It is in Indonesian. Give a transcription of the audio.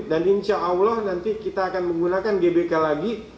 dan insya allah nanti kita akan menggunakan gbk lagi